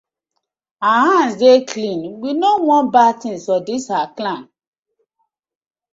Our hands dey clean, we no wan bad tinz for dis our clan.